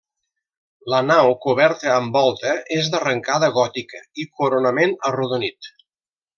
La nau coberta amb volta és d'arrencada gòtica i coronament arrodonit.